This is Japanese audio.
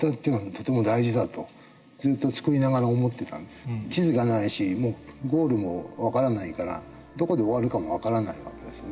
極端に言うと地図がないしゴールも分からないからどこで終わるかも分からない訳ですね。